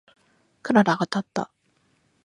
クララがたった。